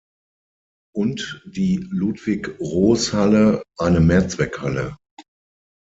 Und die Ludwig-Roos-Halle eine Mehrzweckhalle.